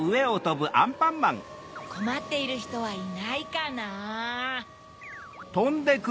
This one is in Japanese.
こまっているひとはいないかな？